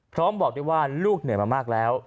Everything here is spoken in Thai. พร้อมบอกได้ว่าลูกเหนื่อยมากแล้ว